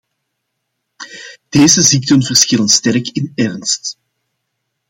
Deze ziekten verschillen sterk in ernst.